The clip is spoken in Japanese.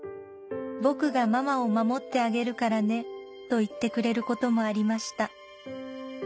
「『僕がママを守ってあげるからね』と言ってくれることもありました」